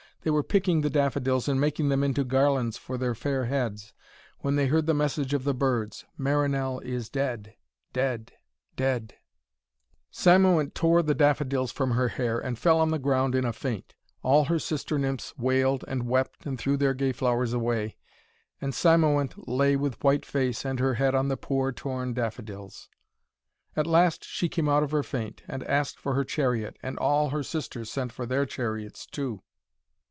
They were picking the daffodils and making them into garlands for their fair heads, when they heard the message of the birds, 'Marinell is dead, dead, dead.' Cymoënt tore the daffodils from her hair, and fell on the ground in a faint. All her sister nymphs wailed and wept and threw their gay flowers away, and Cymoënt lay with white face, and her head on the poor, torn daffodils. [Illustration: But the knight was Britomart, the fair lady with a man's armour and a man's heart (page 92)] At last she came out of her faint, and asked for her chariot, and all her sisters sent for their chariots too.